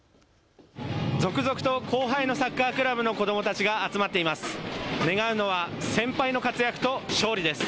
続々と後輩のサッカークラブの子どもたちが集まっています。